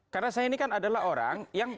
karena saya ini kan adalah orang yang